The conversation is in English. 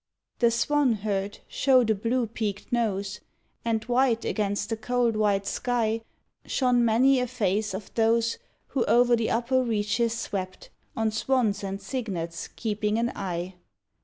The "Swanherd" showed a blue peaked nose, And white against the cold white sky Shone many a face of those Who o'er the upper reaches swept, On swans and cygnets keeping an eye.